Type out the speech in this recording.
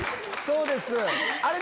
そうです。